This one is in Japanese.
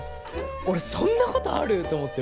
俺そんなことある！？と思って。